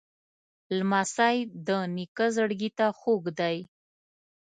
لمسی د نیکه زړګي ته خوږ دی.